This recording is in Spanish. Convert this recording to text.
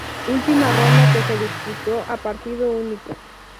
Última ronda que se disputó a partido único.